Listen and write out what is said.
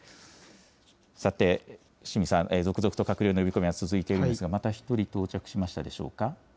さて、伏見さん、続々と閣僚の呼び込みが続いているんですが、また１人到着しましたでしょうか。